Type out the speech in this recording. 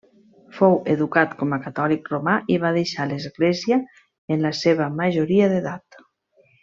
Fou educat com a catòlic romà i va deixar l'Església en la seva majoria d'edat.